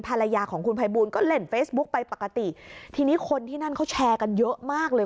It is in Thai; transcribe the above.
ภรรยาของคุณภัยบูลก็เล่นเฟซบุ๊กไปปกติทีนี้คนที่นั่นเขาแชร์กันเยอะมากเลย